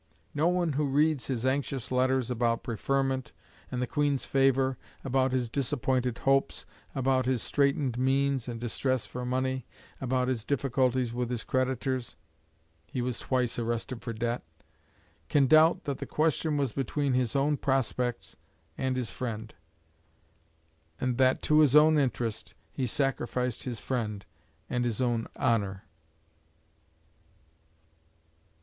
No one who reads his anxious letters about preferment and the Queen's favour, about his disappointed hopes, about his straitened means and distress for money, about his difficulties with his creditors he was twice arrested for debt can doubt that the question was between his own prospects and his friend; and that to his own interest he sacrificed his friend and his own honour.